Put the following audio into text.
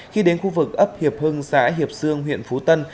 khi đến khu vực ấp hiệp hưng xã hiệp sương huyện phú tân